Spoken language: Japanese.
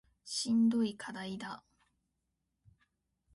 しんどい課題だ